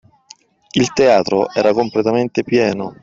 Il teatro era completamente pieno!